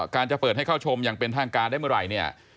จะเปิดให้เข้าชมอย่างเป็นทางการได้เมื่อไหร่เนี่ย